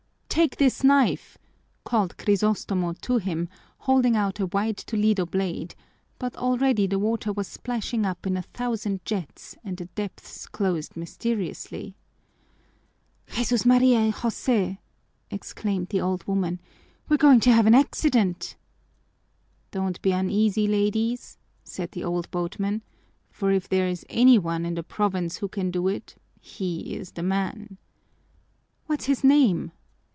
"Take this knife!" called Crisostomo to him, holding out a wide Toledo blade, but already the water was splashing up in a thousand jets and the depths closed mysteriously. "Jesús, María, y José!" exclaimed the old women. "We're going to have an accident!" "Don't be uneasy, ladies," said the old boatman, "for if there is any one in the province who can do it, he's the man." "What's his name?"